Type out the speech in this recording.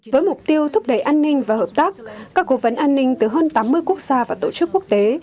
với mục tiêu thúc đẩy an ninh và hợp tác các cố vấn an ninh từ hơn tám mươi quốc gia và tổ chức quốc tế